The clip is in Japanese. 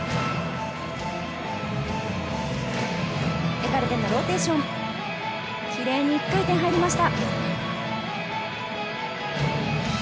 エカルテのローテーション、キレイに１回転入りました。